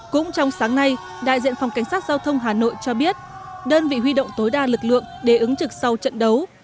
cũng trong sáng nay đại diện phòng cảnh sát giao thông hà nội cho biết đơn vị huy động tối đa lực lượng để ứng trực sau trận đấu